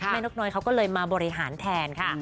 นกน้อยเขาก็เลยมาบริหารแทนค่ะ